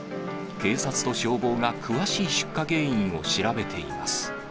警察と消防が詳しい出火原因を調べています。